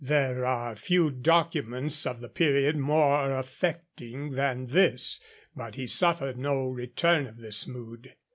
There are few documents of the period more affecting than this, but he suffered no return of this mood.